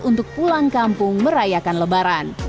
untuk pulang kampung merayakan lebaran